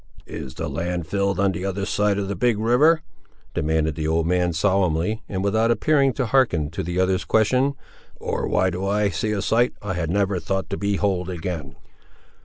"Is the land filled on the other side of the Big River?" demanded the old man, solemnly, and without appearing to hearken to the other's question; "or why do I see a sight, I had never thought to behold again?"